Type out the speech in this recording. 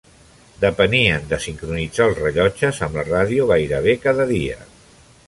Depenien de sincronitzar els rellotges amb la ràdio gairebé cada dia.